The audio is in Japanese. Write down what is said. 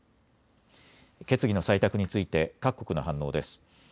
決議の採択について各国の反応です。